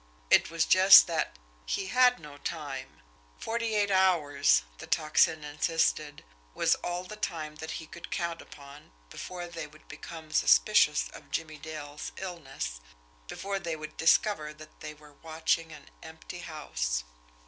It was just that he had no time! Forty eight hours, the Tocsin insisted, was all the time that he could count upon before they would become suspicious of Jimmie Dale's "illness," before they would discover that they were watching an empty house!